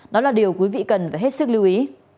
đó là điều quý vị cần phải hết sức lưu ý